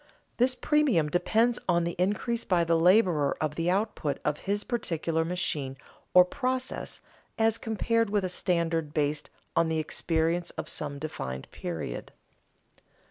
This premium depends on the increase by the laborer of the output of his particular machine or process as compared with a standard based on the experience of some definite period.